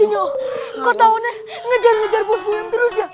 sinyo kok taunya ngejar ngejar bu m terus ya